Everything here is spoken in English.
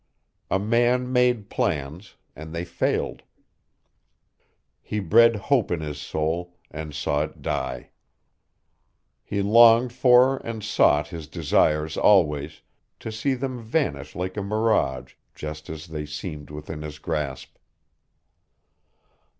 A man made plans, and they failed. He bred hope in his soul and saw it die. He longed for and sought his desires always, to see them vanish like a mirage just as they seemed within his grasp.